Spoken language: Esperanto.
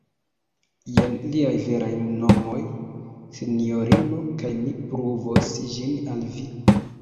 jen liaj veraj nomoj, sinjorino, kaj mi pruvos ĝin al vi.